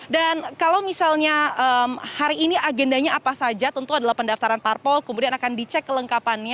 dan kalau misalnya hari ini agendanya apa saja tentu adalah pendaftaran parpol kemudian akan dicek kelengkapannya